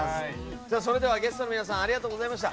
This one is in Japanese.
それではゲストの皆さんありがとうございました。